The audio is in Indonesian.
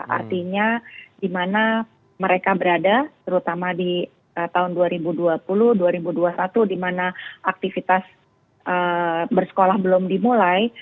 artinya di mana mereka berada terutama di tahun dua ribu dua puluh dua ribu dua puluh satu di mana aktivitas bersekolah belum dimulai